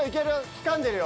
つかんでるよ。